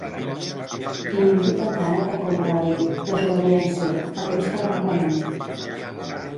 I indica encara que Coma va dir: Desobediència, fa temps que la reclamem.